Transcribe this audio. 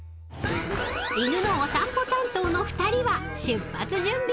［犬のお散歩担当の２人は出発準備］